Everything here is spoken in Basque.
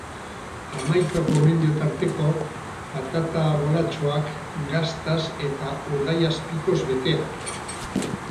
Hamaika gomendio tarteko, patata bolatxoak, gaztaz eta urdaiazpikoz beteak.